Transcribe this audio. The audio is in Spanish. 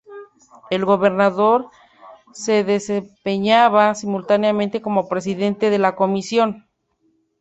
El Gobernador se desempeñaba simultáneamente como Presidente de la Comisión.